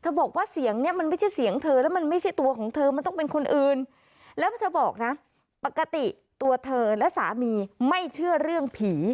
เธอบอกว่าเสียงเนี่ยมันไม่ใช่เสียงเธอ